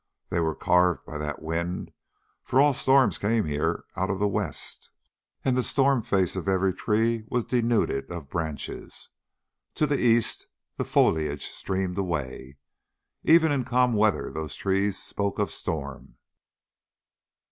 They were carved by that wind, for all storms came here out of the west, and the storm face of every tree was denuded of branches. To the east the foliage streamed away. Even in calm weather those trees spoke of storm.